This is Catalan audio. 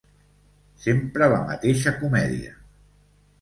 Sempre la mateixa comèdia!